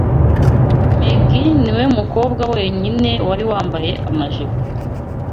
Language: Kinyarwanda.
Meg niwe mukobwa wenyine wari wambaye amajipo.